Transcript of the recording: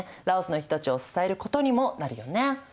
ラオスの人たちを支えることにもなるよね。